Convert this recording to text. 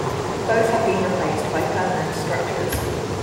Both have been replaced by permanent structures.